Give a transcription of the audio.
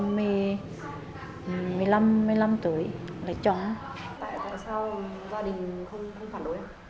tại sao gia đình không phản đối